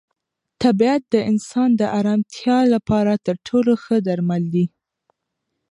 طبیعت د انسان د ارامتیا لپاره تر ټولو ښه درمل دی.